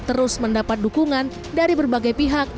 terus mendapat dukungan dari berbagai pihak